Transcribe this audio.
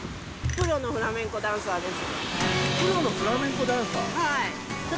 プロのフラメンコダンサーです。